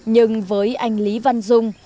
nhưng với anh lý văn dung